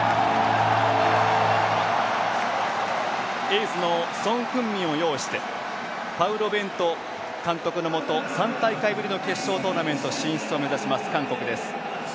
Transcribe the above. エースのソン・フンミンを擁してパウロ・ベント監督のもと３大会ぶりの決勝トーナメント進出を目指します、韓国です。